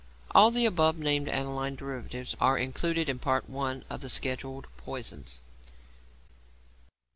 All the above named aniline derivatives are included in Part I. of the scheduled poisons.